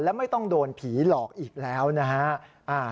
และไม่ต้องโดนผีหลอกอีกแล้วนะฮะ